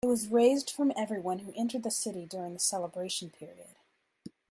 It was raised from everyone who entered the city during the celebration period.